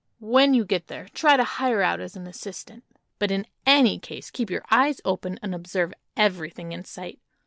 When you get there, try to hire out as an assistant, but in any case keep your eyes open and observe everything in sight.